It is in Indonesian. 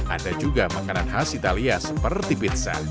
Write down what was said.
ada juga makanan khas italia seperti pizza